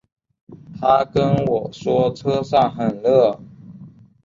她跟我说车上很热